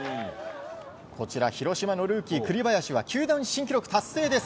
広島のルーキー栗林は球団新記録達成です。